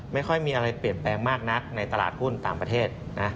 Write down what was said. ไม่ค่อยมีอะไรเปลี่ยนแปลงมากนักในตลาดหุ้นต่างประเทศนะ